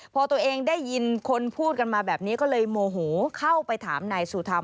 พอตัวเองได้ยินคนพูดกันมาแบบนี้ก็เลยโมโหเข้าไปถามนายสุธรรม